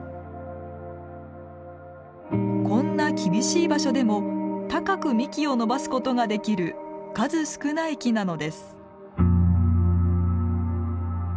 こんな厳しい場所でも高く幹を伸ばすことができる数少ない木なのです。